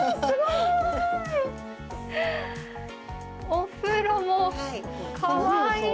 お風呂も、かわいい。